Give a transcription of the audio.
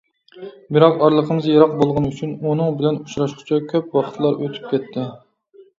بىراق ئارىلىقىمىز يىراق بولغىنى ئۈچۈن ئۇنىڭ بىلەن ئۇچراشقۇچە كۆپ ۋاقىتلار ئۆتۈپ كەتتى.